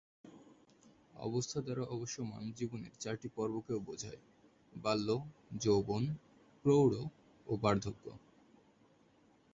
অবস্থা দ্বারা অবশ্য মানব জীবনের চারটি পর্বকেও বোঝায়: বাল্য, যৌবন, প্রৌঢ় ও বার্ধক্য।